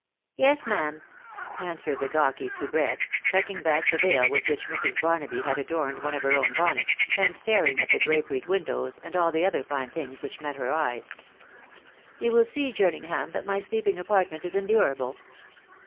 '«' Yes, ma'am,'* answered the gawky souhrette, tucking back the veil with which Mrs. Barnaby had adorned one of her own bonnets, and staring at the draperied windows, and all the other fine things which met her eyes. iC You will see, Jerningham, that my sleeping apartment is endurable."